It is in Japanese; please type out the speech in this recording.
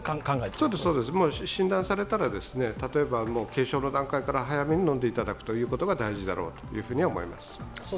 そうです、診断されたらですね、軽症の段階から早めに飲んでいただくことが大事だろうと思います。